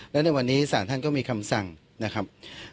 และในวันนี้ศาลท่านก็มีคำสั่งนะครับ